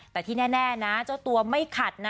แต่ที่แน่นะเจ้าตัวไม่ขัดนะ